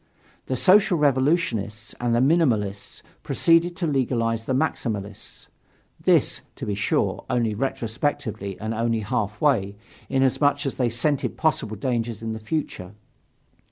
The Social Revolutionists and the Minimalists proceeded to legalize the Maximalists this, to be sure, only retrospectively and only half way, inasmuch as they scented possible dangers in the future.